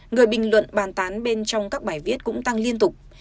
người bình luận bàn tán bên trong các bài viết cũng tăng liên tục